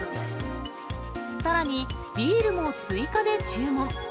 さらに、ビールも追加で注文。